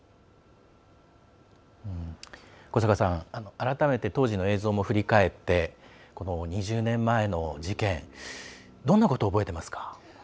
改めて当時の映像も振り返ってこの２０年前の事件どんなことを覚えていますか？